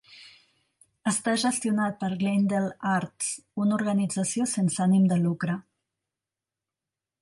Està gestionat per Glendale Arts, una organització sense ànim de lucre.